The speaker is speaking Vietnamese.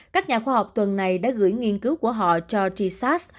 các nhà khoa học tuần này đã gửi nghiên cứu của họ cho t sars